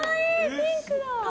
ピンクだ！